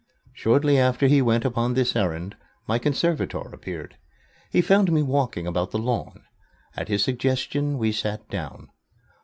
Shortly after he went upon this errand, my conservator appeared. He found me walking about the lawn. At his suggestion we sat down.